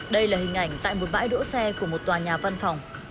đây là hình ảnh tại một bãi đỗ xe của một tòa nhà văn phòng